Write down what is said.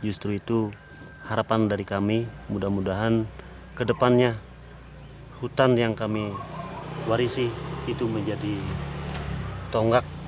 justru itu harapan dari kami mudah mudahan kedepannya hutan yang kami warisi itu menjadi tonggak